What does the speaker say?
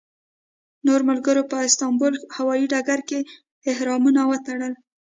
نورو ملګرو په استانبول هوایي ډګر کې احرامونه وتړل.